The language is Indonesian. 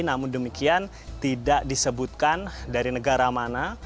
namun demikian tidak disebutkan dari negara mana